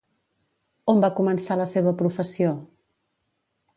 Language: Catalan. On va començar la seva professió?